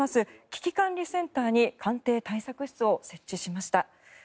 危機管理センターに官邸対策室を設置しました。